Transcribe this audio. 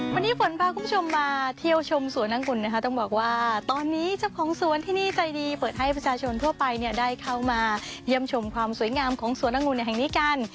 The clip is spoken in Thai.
วันนี้ฝนพาคุณผู้ชมมาเที่ยวชมสวนอังกุลนะคะต้องบอกว่าตอนนี้เจ้าของสวนที่นี่ใจดีเปิดให้ประชาชนทั่วไปเนี่ยได้เข้ามาเยี่ยมชมความสวยงามของสวนองุ่นแห่งนี้กัน